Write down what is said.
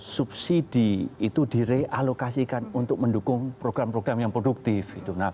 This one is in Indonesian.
subsidi itu direalokasikan untuk mendukung program program yang produktif